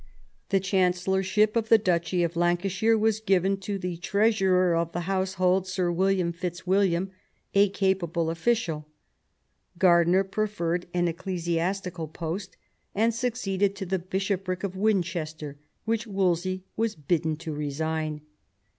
The chancellor ship of the duchy of Lancashire was given to the trea surer of the household, Sir William Fitzwilliam, a capable official. Grardiner preferred an ecclesiastical post^ and succeeded to the bishopric of Winchester, which Wolsey was bidden to resign.